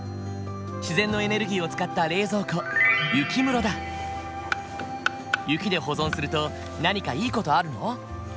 自然のエネルギーを使った冷蔵庫雪で保存すると何かいい事あるの？